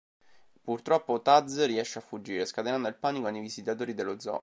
Purtroppo Taz riesce a fuggire, scatenando il panico nei visitatori dello zoo.